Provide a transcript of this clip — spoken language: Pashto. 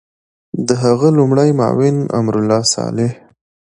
د هغه لومړی معاون امرالله صالح